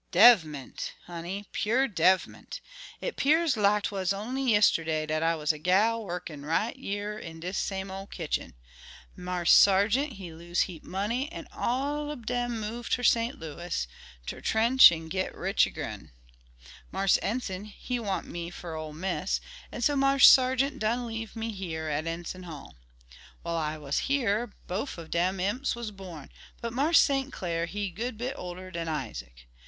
"Dev'ment, honey, pur' dev'ment! It 'pears lack 'twas only yisterday dat I was a gal wurkin' right yere in dis same ol' kitchen. Marse Sargeant he lose heap money, an' all ob dem move ter St. Louis ter 'trench an' git rich ergin; Marse Enson he want me fer ol' Miss, an' so Marse Sargeant done leave me hyar at Enson Hall. While I was hyar bof ob dem imps was born, but Marse St. Clar he good bit older dan Isaac.